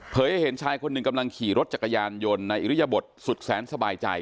ให้เห็นชายคนหนึ่งกำลังขี่รถจักรยานยนต์ในอิริยบทสุดแสนสบายใจ